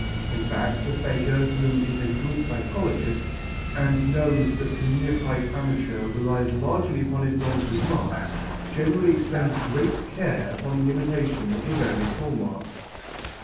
In fact the faker who is a good psychologist and knows that the neophyte amateur relies largely upon his knowledge of marks, generally expends great care upon the imitation of the various hall marks.